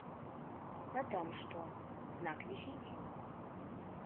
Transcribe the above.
А там што, знак вісіць?